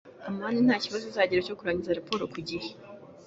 amani nta kibazo azagira cyo kurangiza raporo ku gihe.